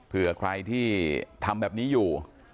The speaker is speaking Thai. เผื่อใครที่ทำแบบนี้อยู่